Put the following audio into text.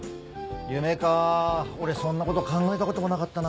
夢か俺そんなこと考えたこともなかったな。